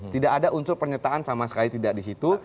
tidak ada unsur pernyataan sama sekali tidak di situ